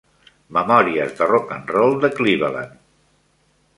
"Memòries de rock-and-roll de Cleveland ".